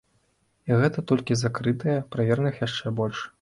І гэта толькі закрытыя, правераных яшчэ больш.